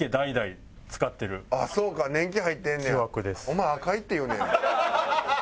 お前赤井っていうねや。